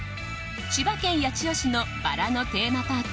千葉県八千代市のバラのテーマパーク